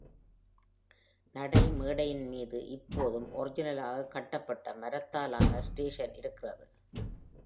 நடைமேடையின் மீது இப்போதும் ஒரிஜினலாகக் கட்டப்பட்ட மரத்தாலான ஸ்டேஷன் இருக்கிறது.